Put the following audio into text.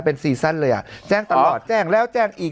เป็นซีซั่นเลยอ่ะแจ้งตลอดแจ้งแล้วแจ้งอีก